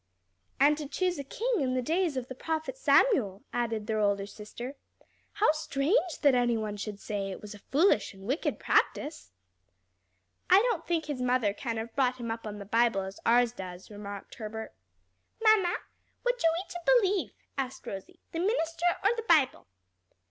"And to choose a king in the days of the prophet Samuel," added their older sister. "How strange that any one should say it was a foolish and wicked practice!" "I don't think his mother can have brought him up on the Bible as ours does us," remarked Herbert. "Mamma, which are we to believe," asked Rosie, "the minister or the Bible?"